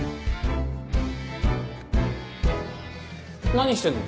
何してるの？